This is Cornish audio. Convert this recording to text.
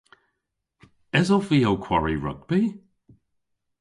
Esov vy ow kwari rugbi?